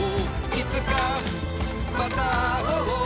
「いつかまた会おう」